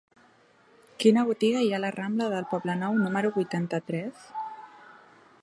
Quina botiga hi ha a la rambla del Poblenou número vuitanta-tres?